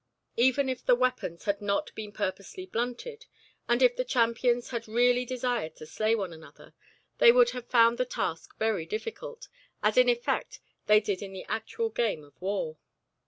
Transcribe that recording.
Even if the weapons had not been purposely blunted, and if the champions had really desired to slay one another, they would have found the task very difficult, as in effect they did in the actual game of war.